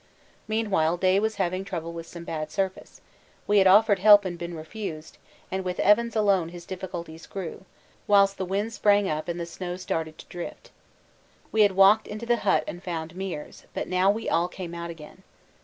Meanwhile Day was having trouble with some bad surface; we had offered help and been refused, and with Evans alone his difficulties grew, whilst the wind sprang up and the snow started to drift. We had walked into the hut and found Meares, but now we all came out again.